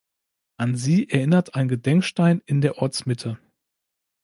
An sie erinnert ein Gedenkstein in der Ortsmitte.